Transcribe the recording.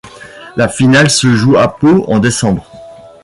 La finale se joue à Pau en décembre.